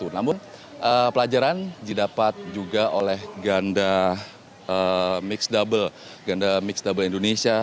namun pelajaran didapat juga oleh ganda mixed double indonesia